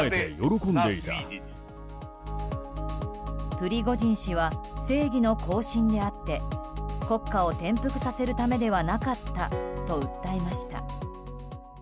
プリゴジン氏は正義の行進であって国家を転覆させるためではなかったと訴えました。